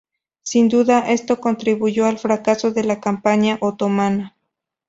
Sin duda, esto contribuyó al fracaso de la campaña otomana.